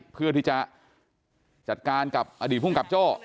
เพื่อที่จะจัดการกับอดีตภูมิกับโจ้